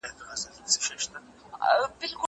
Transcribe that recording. کېدای سي ځواب لنډ وي؟!